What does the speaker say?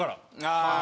ああ。